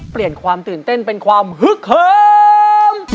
เปลี่ยนความตื่นเต้นเป็นความฮึกเหิม